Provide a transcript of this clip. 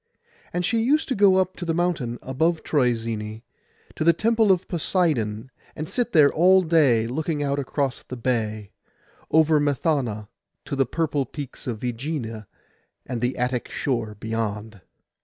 And she used to go up to the mountain above Troezene, to the temple of Poseidon and sit there all day looking out across the bay, over Methana, to the purple peaks of Ægina and the Attic shore beyond.